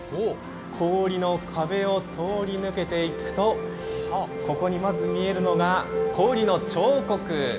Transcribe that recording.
氷の壁を通り抜けていくと、ここにまず見えるのが氷の彫刻。